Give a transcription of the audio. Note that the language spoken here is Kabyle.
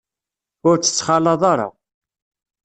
Ur tt-ttxalaḍ ara.